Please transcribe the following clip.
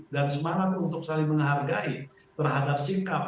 dan semangat untuk saling menghargai terhadap sikap